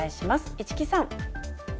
市來さん。